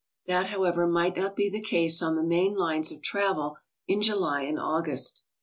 That, however, might not be the case on the main lines of travel in July and August.